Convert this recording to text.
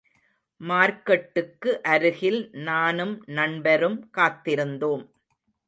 மார்க்கெட்டுக்கு அருகில் நானும் நண்பரும் காத்திருந்தோம்.